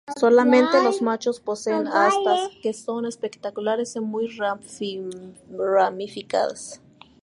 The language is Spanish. Solamente los machos poseen astas, que son espectaculares y muy ramificadas.